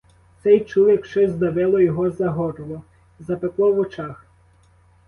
Цей чув, як щось здавило його за горло, запекло в очах.